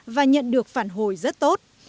và nhận được phản hồi rất tốt